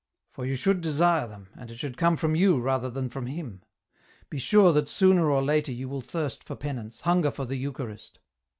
" For you should desire them, and it should come from you rather than from Him ; be sure that sooner or later you will thirst for Penance, hunger for the Eucharist.